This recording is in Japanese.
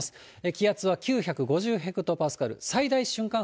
気圧は９５０ヘクトパスカル、最大瞬間